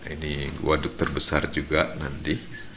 ini waduk terbesar juga nanti